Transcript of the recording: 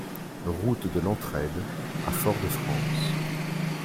Route de l'Entraide à Fort-de-France